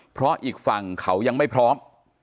เพราะอีกฝั่งเขายังไม่พร้อม